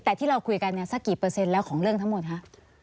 แต่ที่เราคุยกันเนี่ยสักกี่เปอร์เซ็นต์แล้วของเรื่องทั้งหมดคะ